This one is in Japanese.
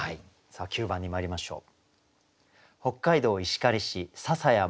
９番にまいりましょう。